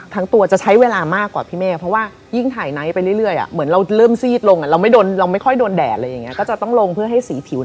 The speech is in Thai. คนที่มาก่อนหน้าไซน์เนี่ย